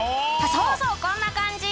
そうそうこんな感じ。